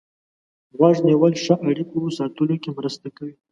غوږ نیول ښه اړیکو ساتلو کې مرسته کوي.